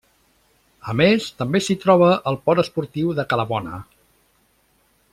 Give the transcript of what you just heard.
A més també s'hi troba el port esportiu de Cala Bona.